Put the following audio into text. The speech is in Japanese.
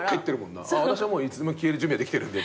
「私はいつでも消える準備できてるんで」